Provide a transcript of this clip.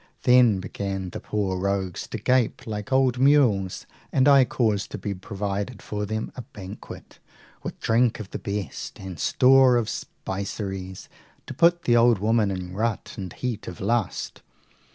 Then began the poor rogues to gape like old mules, and I caused to be provided for them a banquet, with drink of the best, and store of spiceries, to put the old women in rut and heat of lust.